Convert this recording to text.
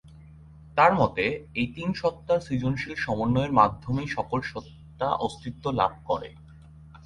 তার মতে এই তিন সত্ত্বার সৃজনশীল সমন্বয়ের মাধ্যমেই সকল সত্ত্বা অস্তিত্ব লাভ করে।